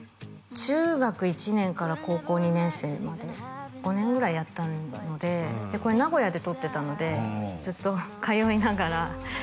中学１年から高校２年生まで５年ぐらいやったのでこれ名古屋で撮ってたのでずっと通いながらやってました